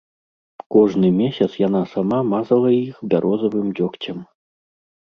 Кожны месяц яна сама мазала іх бярозавым дзёгцем.